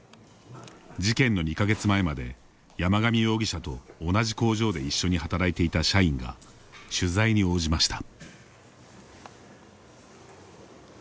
事件の２か月前まで山上容疑者と同じ工場で一緒に働いていた社員が取材に応じました。